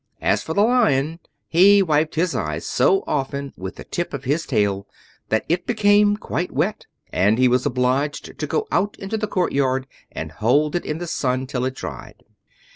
As for the Lion, he wiped his eyes so often with the tip of his tail that it became quite wet, and he was obliged to go out into the courtyard and hold it in the sun till it dried.